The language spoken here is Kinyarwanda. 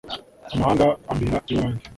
Amahanga ambera iw'abandi